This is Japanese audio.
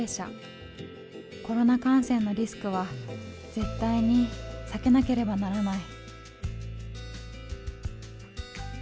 コロナ感染のリスクは絶対に避けなければならない。